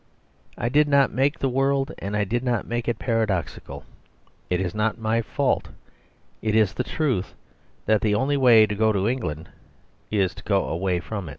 I did not make the world, and I did not make it paradoxical. It is not my fault, it is the truth, that the only way to go to England is to go away from it."